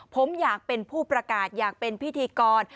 ผมอยากเป็นผู้ประกาศอยากเป็นพิธีกร